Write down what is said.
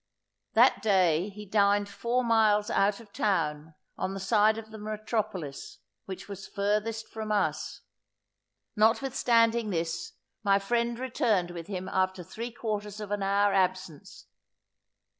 That day he dined four miles out of town, on the side of the metropolis, which was furthest from us. Notwithstanding this, my friend returned with him after three quarters of an hour's absence.